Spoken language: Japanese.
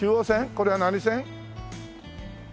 これは何線？